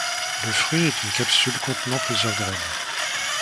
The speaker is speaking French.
Le fruit est une capsule contenant plusieurs graines.